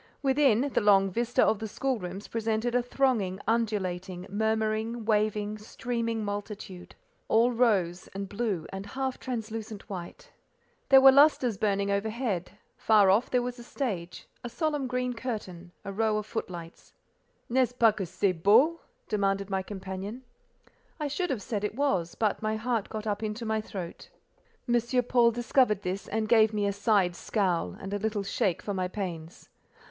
Within, the long vista of the school rooms presented a thronging, undulating, murmuring, waving, streaming multitude, all rose, and blue, and half translucent white. There were lustres burning overhead; far off there was a stage, a solemn green curtain, a row of footlights. "Nest ce pas que c'est beau?" demanded my companion. I should have said it was, but my heart got up into my throat. M. Paul discovered this, and gave me a side scowl and a little shake for my pains.